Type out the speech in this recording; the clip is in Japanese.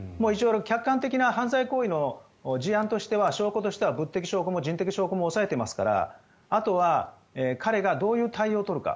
客観的な犯罪行為の事例としては物的証拠も人的証拠も押さえていますからあとは彼がどういう態度を取るか。